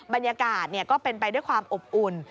บรรยากาศก็เป็นไปด้วยความอบอุ่น